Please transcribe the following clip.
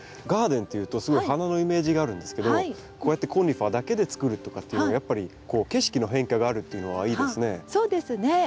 ガーデンっていうとすごい花のイメージがあるんですけどこうやってコニファーだけでつくるとかっていうのもやっぱり景色の変化があるっていうのはいいですね。